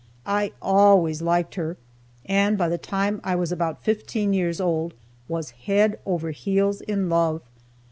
I always liked her, and by the time I was about fifteen years old was head over heels in love.